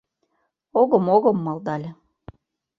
«Огым, огым» малдале.